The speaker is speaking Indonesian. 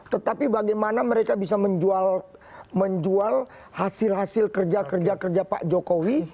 tetapi bagaimana mereka bisa menjual hasil hasil kerja kerja kerja pak jokowi